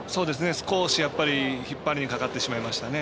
少し引っ張りにかかってしまいましたね。